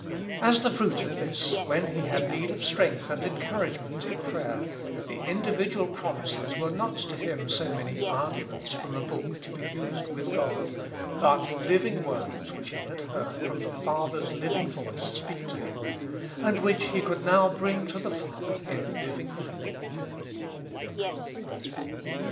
As the fruit of this, when he had need of strength and encouragement in prayer, the individual promises were not to him so many arguments from a book to be used with God, but living words which he had heard the Father's living voice speak to him, and which he could now bring to the Father in living faith.